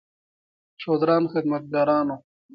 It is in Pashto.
شودران خدمتګاران وو.